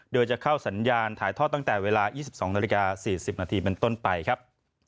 โดยจะเข้าสัญญาณถ่ายทอดตั้งแต่เวลา๒๒นาฬิกา๔๐นาทีเป็นต้นไปครับ